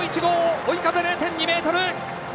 追い風０．２メートル。